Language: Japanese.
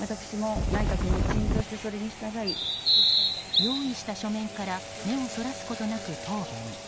用意した書面から目をそらすことなく答弁。